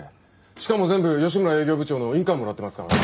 しかも全部吉村営業部長の印鑑もらってますから。